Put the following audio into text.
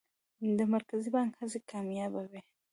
د مرکزي بانک هڅې کامیابه وې؟